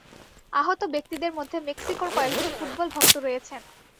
আহত ব্যক্তিদের মধ্য মেক্সিকোর কয়েকজন ফুটবলভক্ত রয়েছেন।